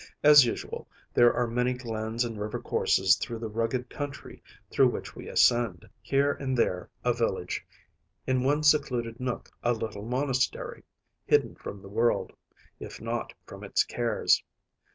As usual, there are many glens and river courses through the rugged country through which we ascend‚ÄĒhere and there a village, in one secluded nook a little monastery, hidden from the world, if not from its cares.